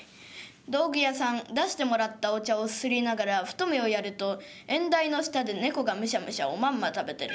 道具屋さん出してもらったお茶をすすりながらふと目をやると縁台の下で猫がむしゃむしゃおまんま食べてる。